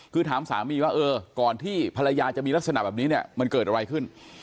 คือถามสามีว่าเออก่อนที่ภรรยาจะมีลักษณะแบบนี้เนี่ยมันเกิดอะไรขึ้น